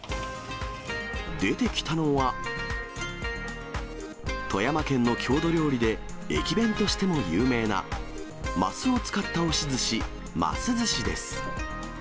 出てきたのは、富山県の郷土料理で、駅弁としても有名なますを使った押しずし、ますずしです。